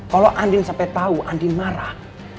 kalau andin sampai tahu andin marah